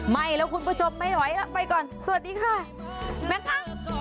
ไม่แล้วคุณผู้ชมไม่ไหวแล้วไปก่อนสวัสดีค่ะแม่คะ